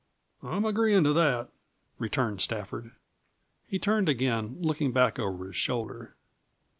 "I'm agreein' to that," returned Stafford. He turned again, looking back over his shoulder.